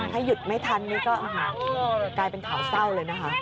ถ้าหยุดไม่ทันนี่ก็กลายเป็นข่าวเศร้าเลยนะคะ